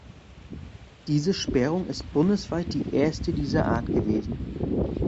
Diese Sperrung ist bundesweit die erste dieser Art gewesen.